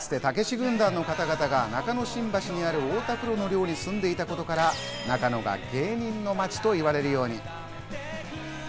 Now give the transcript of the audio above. かつて、たけし軍団の方々が中野新橋にある太田プロの寮に住んでいたことから、中野が芸人の街と言われるように。